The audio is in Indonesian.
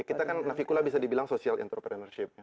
nah kita kan nafi pula bisa dibilang social entrepreneurship